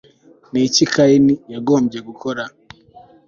ni iki khin myint yagombye gukora